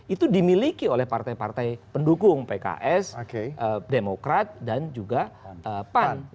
itu dimiliki oleh partai partai pendukung pks demokrat dan juga pan